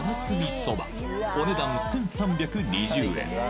蕎麦お値段１３２０円